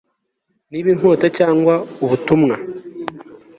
niba inkota, cyangwa ubutumwa